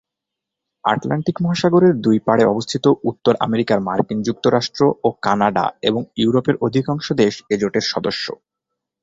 Atlantic মহাসাগরের দুই পাড়ে অবস্থিত উত্তর আমেরিকার মার্কিন যুক্তরাষ্ট্র ও কানাডা এবং ইউরোপের অধিকাংশ দেশ এই জোটের সদস্য।